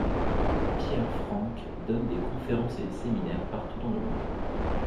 Pierre Franckh donne des conférences et des séminaires partout dans le monde.